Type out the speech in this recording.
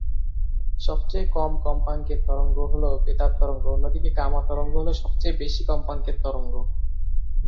সবচেয়ে কম কম্পাঙ্কের তরঙ্গ হল বেতার তরঙ্গ, অন্যদিকে গামা তরঙ্গ হল সবচেয়ে বেশি কম্পাঙ্কের তরঙ্গ।